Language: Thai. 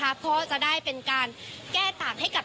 เพราะจะได้เป็นการแก้ต่างให้กับ